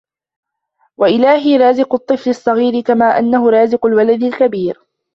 وَإِلَهِي رَازِقُ الطِّفْلِ الصَّغِيرِ كَمَا أَنَّهُ رَازِقُ الْوَلَدِ الْكَبِيرِ